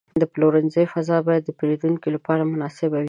د پلورنځي فضا باید د پیرودونکو لپاره مناسب وي.